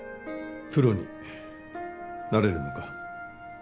プロになれるのか？